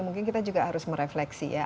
mungkin kita juga harus mereflexikan